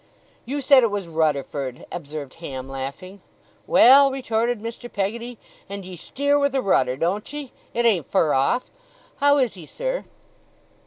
'You said it was Rudderford,' observed Ham, laughing. 'Well!' retorted Mr. Peggotty. 'And ye steer with a rudder, don't ye? It ain't fur off. How is he, sir?